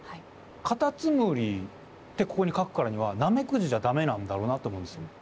カタツムリってここに書くからにはナメクジじゃ駄目なんだろうなと思うんです。